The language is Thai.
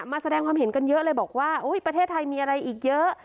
มาแสดงความเห็นกันเยอะเลยบอกว่าประเทศไทยมีอะไรอีกเยอะ